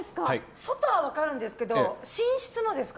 外は分かるんですけど寝室もですか？